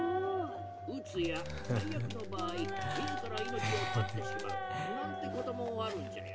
うつや最悪の場合自ら命を絶ってしまうなんてこともあるんじゃよ。